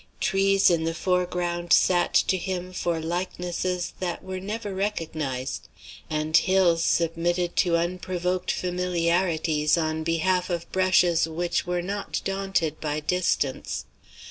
Trees in the foreground sat to him for likenesses that were never recognized; and hills submitted to unprovoked familiarities, on behalf of brushes which were not daunted by distance.